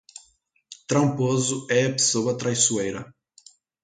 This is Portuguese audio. Tramposo é a pessoa traiçoeira